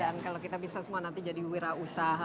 dan kalau kita bisa semua nanti jadi wira usaha